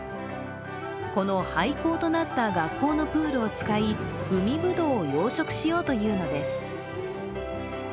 この廃校となった学校のプールを使い海ぶどうを養殖しようというのです。